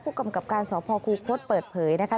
ผู้กำกับการสพครูโค้ดเปิดเผยนะคะ